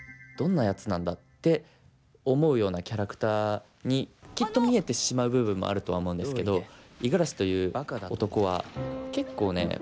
どんなやつなんだ」って思うようなキャラクターにきっと見えてしまう部分もあるとは思うんですけど五十嵐という男は結構ね